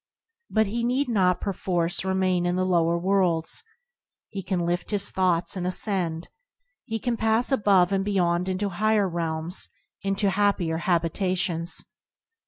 But he need not perforce remain in the lower worlds. He can lift his thoughts and ascend. He can pass above and beyond into higher realms, into happier habitations.